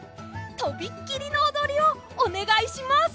とびっきりのおどりをおねがいします！